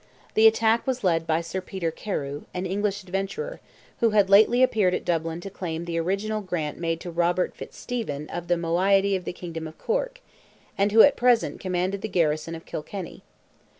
The attack was led by Sir Peter Carew, an English adventurer, who had lately appeared at Dublin to claim the original grant made to Robert Fitzstephen of the moiety of the kingdom of Cork, and who at present commanded the garrison of Kilkenny.